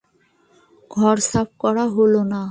ঘর সাফ করা হল না।